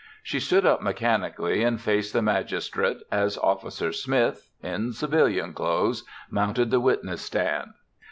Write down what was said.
She stood up mechanically and faced the magistrate as Officer Smith, in civilian clothes, mounted the witness stand.